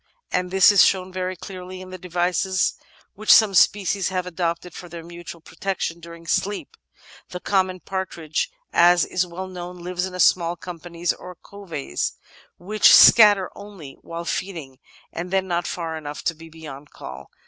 And this is shown very clearly in the devices which some species have adopted for their mutual protection during sleep. The common partridge, as is well known, lives in small companies, or *coveys,' which scatter only while feeding, and then not far enough to be beyond call.